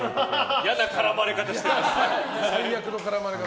嫌な絡まれ方してますね。